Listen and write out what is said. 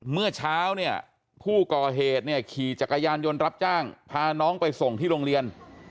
เมื่อเช้าเนี่ยผู้ก่อเหตุเนี่ยขี่จักรยานยนต์รับจ้างพาน้องไปส่งที่โรงเรียน